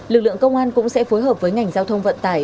lực lượng công an cũng sẽ phối hợp với ngành giao thông vận tải